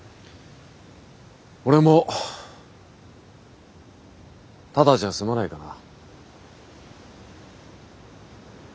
俺もただじゃ済まないかな。